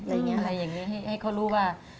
อะไรอย่างนี้ให้เขารู้ว่า